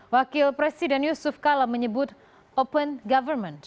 wakil presiden yusuf kala menyebut open government